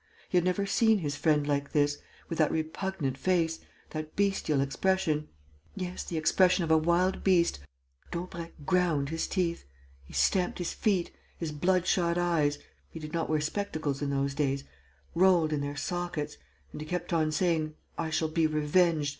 He had never seen his friend like this, with that repugnant face, that bestial expression: yes, the expression of a wild beast.... Daubrecq ground his teeth. He stamped his feet. His bloodshot eyes he did not wear spectacles in those days rolled in their sockets; and he kept on saying, 'I shall be revenged....